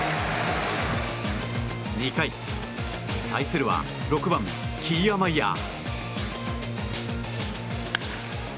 ２回対するは６番、キアマイアー。